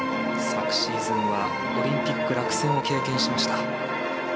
昨シーズンはオリンピック落選を経験しました。